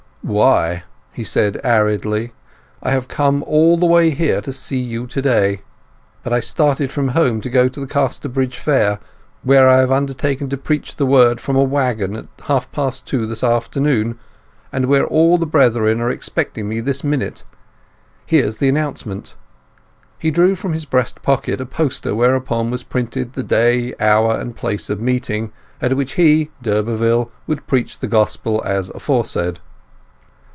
"Why," he said aridly; "I have come all the way here to see you to day! But I started from home to go to Casterbridge Fair, where I have undertaken to preach the Word from a waggon at half past two this afternoon, and where all the brethren are expecting me this minute. Here's the announcement." He drew from his breast pocket a poster whereon was printed the day, hour, and place of meeting, at which he, d'Urberville, would preach the Gospel as aforesaid.